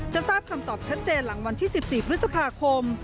ทราบคำตอบชัดเจนหลังวันที่๑๔พฤษภาคม